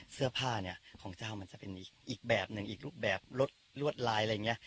เสื้อผ้าเนี่ยของเจ้ามันจะเป็นอีกแบบหนึ่งอีกรูปแบบลวดลายอะไรอย่างนี้